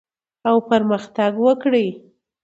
او پرمختګ وکړي